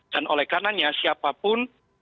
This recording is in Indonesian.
dan oleh karenanya siapapun